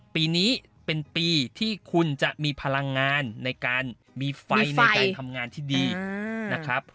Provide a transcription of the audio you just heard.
ปีนี้เป็นปีที่คุณจะมีพลังงานในการมีไฟในการทำงานที่ดีนะครับ